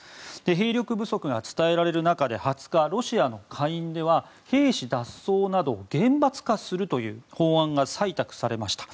兵力不足が伝えられる中で２０日、ロシアの下院では兵士脱走などを厳罰化するという法案が採択されました。